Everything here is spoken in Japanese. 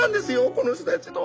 この人たちと。